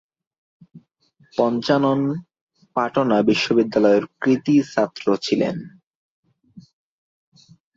পঞ্চানন পাটনা বিশ্ববিদ্যালয়ের কৃতি ছাত্র ছিলেন।